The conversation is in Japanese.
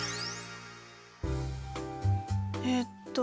えっと